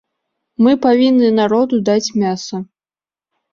Мы павінны народу даць мяса!